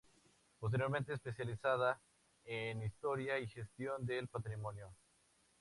Posteriormente especializada en historia y gestión del patrimonio.